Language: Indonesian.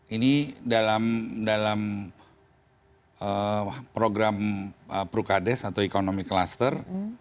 ini dalam program prukades atau economic cluster